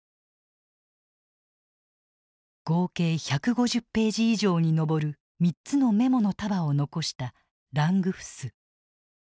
合計１５０ページ以上に上る３つのメモの束を残したラングフス。